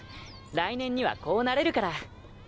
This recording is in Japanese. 来年にはこうなれるから！